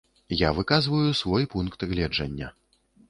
Я выказваю свой пункт гледжання.